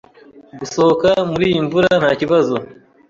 Gusohoka muriyi mvura ntakibazo.